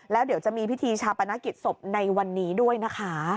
แล้วเดี๋ยวจะมีพิธีชาปนกิจศพในวันนี้ด้วยนะคะ